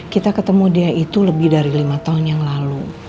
kita ketemu dia itu lebih dari lima tahun yang lalu